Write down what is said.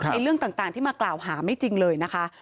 เรื่องต่างที่มากล่าวหาไม่จริงเลยนะคะ